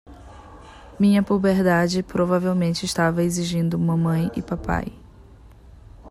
Minha puberdade provavelmente estava exigindo mamãe e papai.